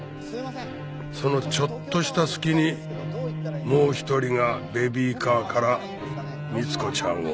そのちょっとした隙にもう１人がベビーカーから光子ちゃんを。